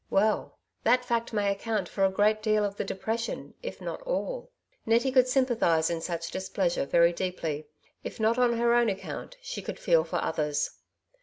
" Well, that fact may account for a great deal of the depression, if not all," Nettie could sympathize in such displeasure very deeply ; if not on her own account, she could feel for others.